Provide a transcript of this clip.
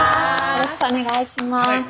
よろしくお願いします。